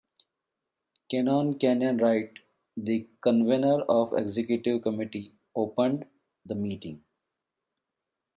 Canon Kenyon Wright, the convener of the executive committee, opened the meeting.